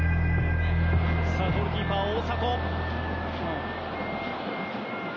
ゴールキーパーは大迫。